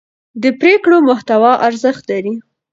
د پرېکړو محتوا ارزښت لري